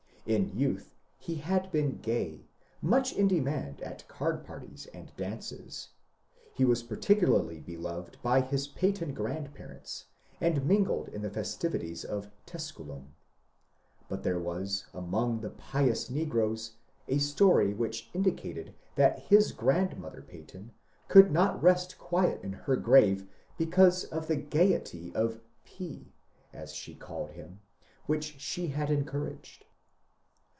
In youth he had been gay, — much in demand at card parties and dances. He was particularly beloved by his Peyton grandparents and mingled in the festivities of *^ Tusculum." But there was among the pious negroes a story which indicated that his grandmother Peyton could not rest quiet in her grave because of the gayety of ^^ P," as she called him, which she had encouraged.